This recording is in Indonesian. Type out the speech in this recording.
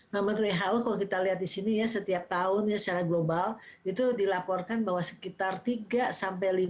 nah menteri who kalau kita lihat di sini ya setiap tahun secara global itu dilaporkan bahwa sekitar tiga sampai lima tahun